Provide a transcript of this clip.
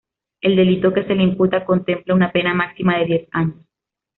El delito que se le imputa contempla una pena máxima de diez años.